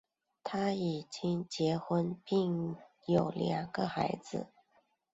他已经结婚并有两个孩子。